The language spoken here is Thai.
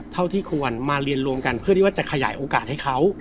เท่าที่ควรมาเรียนรวมกันเพื่อที่ว่าจะขยายโอกาสให้เขา